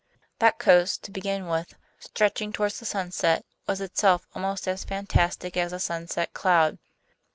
That coast, to begin with, stretching toward the sunset, was itself almost as fantastic as a sunset cloud.